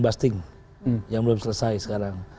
busting yang belum selesai sekarang